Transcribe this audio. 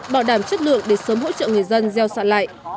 bảo đảm chất lượng để sớm hỗ trợ người dân gieo xạ lại